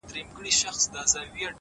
ه شعر كي دي زمـــا اوربــل دی؛